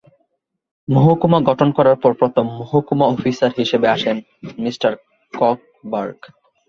মহকুমা গঠন করার পর প্রথম মহকুমা অফিসার হিসেবে আসেন মিঃ ককবার্গ।